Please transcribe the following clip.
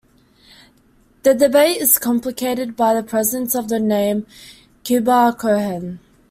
The debate is complicated by the presence of the name Kiabar Kohen.